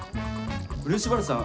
漆原さん